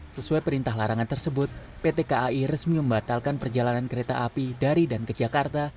sesuai perintah larangan tersebut pt kai resmi membatalkan perjalanan kereta api dari dan ke jakarta